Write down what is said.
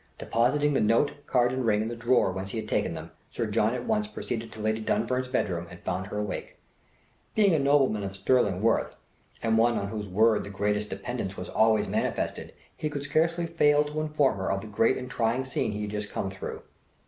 Depositing the note, card, and ring in the drawer whence he had taken them, Sir John at once proceeded to Lady Dunfern's bedroom, and found her awake. Being a nobleman of sterling worth, and one on whose word the greatest dependence was always manifested, he could scarcely fail to inform her of the great and trying scene he had just come through.